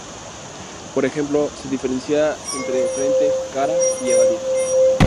Por ejemplo, se diferencia entre "frente, cara" y "evadir".